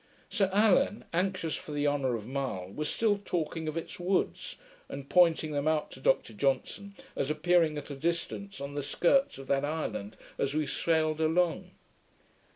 Sir Allan, anxious for the honour of Mull, was still talking of its woods, and pointing them out to Dr Johnson, as appearing at a distance on the skirts of that island, as we sailed along.